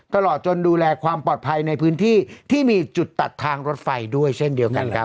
ตลอดจนดูแลความปลอดภัยในพื้นที่ที่มีจุดตัดทางรถไฟด้วยเช่นเดียวกันครับ